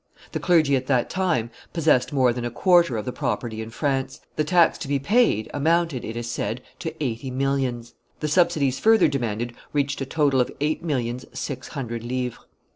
The clergy at that time possessed more than a quarter of the property in France; the tax to be paid amounted, it is said, to eighty millions. The subsidies further demanded reached a total of eight millions six hundred livres.